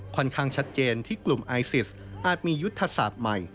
ค่อนข้างชัดเจนที่กลุ่มไอซิสอาจมียุทธศาสตร์ใหม่